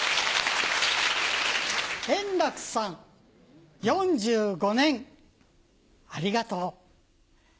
円楽さん、４５年ありがとう。